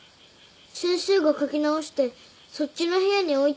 先生が書き直してそっちの部屋に置いてある。